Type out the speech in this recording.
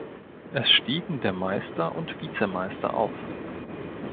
Es stiegen der Meister und Vizemeister auf.